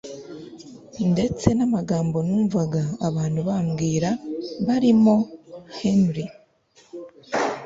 ndetse namagambo numvaga abantu bambwira barimo Henry